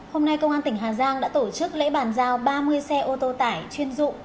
hôm nay công an tỉnh hà giang đã tổ chức lễ bàn giao ba mươi xe ô tô tải chuyên dụng